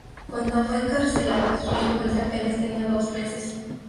Cuando fue encarcelada su hijo Andre apenas tenía dos meses.